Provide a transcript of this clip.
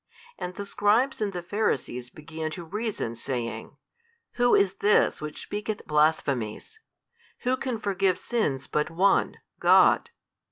And the scribes and the Pharisees began to reason saying, Who is This which speak eth blasphemies? who can forgive sins but One, God?